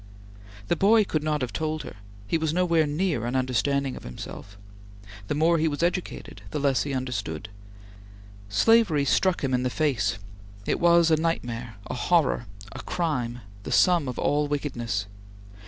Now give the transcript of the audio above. The boy could not have told her; he was nowhere near an understanding of himself. The more he was educated, the less he understood. Slavery struck him in the face; it was a nightmare; a horror; a crime; the sum of all wickedness!